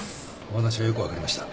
お話はよく分かりました。